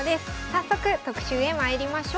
早速特集へまいりましょう。